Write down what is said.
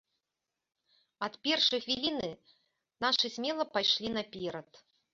Ад першай хвіліны нашы смела пайшлі наперад.